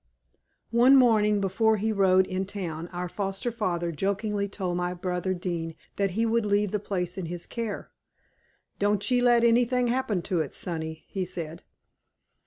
"One morning before he rode in town, our foster father jokingly told my brother Dean that he would leave the place in his care. 'Don't ye let anything happen to it, sonny,' he said.